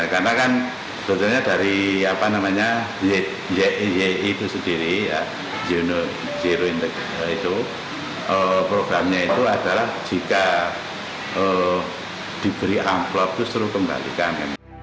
karena kan sebetulnya dari yi itu sendiri jino jiruintegra itu programnya itu adalah jika diberi amplop itu seru kembalikan